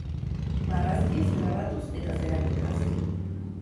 Marrazkiz, grabatuz eta zeramikaz.